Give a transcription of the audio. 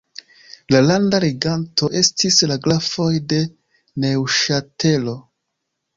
La landa reganto estis la grafoj de Neŭŝatelo.